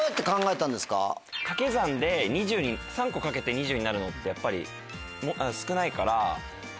かけ算で３個かけて２０になるのってやっぱり少ないから。